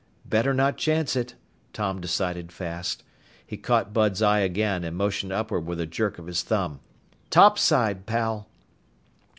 _ "Better not chance it," Tom decided fast. He caught Bud's eye again and motioned upward with a jerk of his thumb. "Topside, pal!"